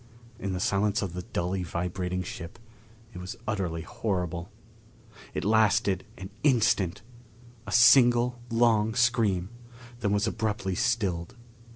In the silence of the dully vibrating ship it was utterly horrible.... It lasted an instant a single long scream; then was abruptly stilled.